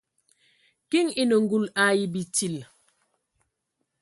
Kiŋ enə ngul ai bitil.